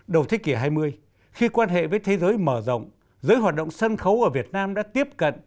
đầu thế kỷ hai mươi khi quan hệ với thế giới mở rộng giới hoạt động sân khấu ở việt nam đã tiếp cận